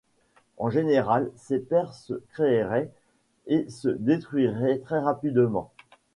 En général, ces paires se créeraient et se détruiraient très rapidement.